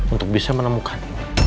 untuk bisa menemukan